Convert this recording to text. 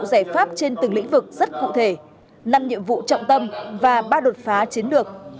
giải pháp trên từng lĩnh vực rất cụ thể năm nhiệm vụ trọng tâm và ba đột phá chiến lược